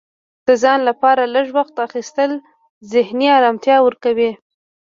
د ځان لپاره لږ وخت اخیستل ذهني ارامتیا ورکوي.